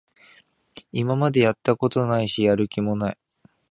今までやったことないし、やる気もない